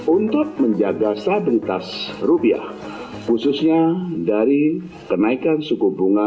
untuk menjaga stabilitas rupiah khususnya dari kenaikan suku bunga